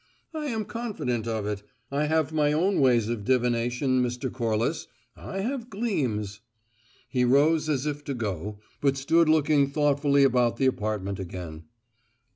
"I am confident of it. I have my own ways of divination, Mr. Corliss. I have gleams." He rose as if to go, but stood looking thoughtfully about the apartment again.